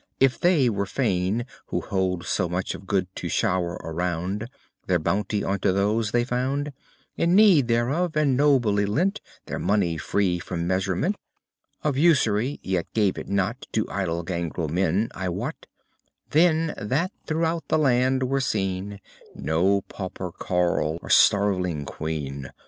If they were fain, Who hold so much of good to shower around Their bounty unto those they found In need thereof, and nobly lent Their money, free from measurement Of usury (yet gave it not To idle gangrel men), I wot That then throughout the land were seen No pauper carl or starveling quean.